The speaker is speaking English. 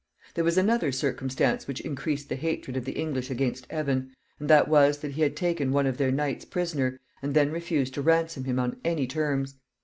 There was another circumstance which increased the hatred of the English against Evan, and that was, that he had taken one of their knights prisoner, and then refused to ransom him on any terms.